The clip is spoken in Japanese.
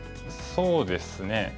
そうですね